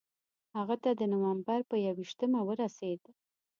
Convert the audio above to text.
هغه ته د نومبر پر یوویشتمه ورسېد.